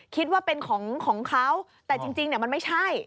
คิดว่าเป็นของเขาแต่จริงมันไม่ใช่